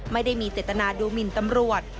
ไม่ได้มีเจตนาดูหมินตำรวจ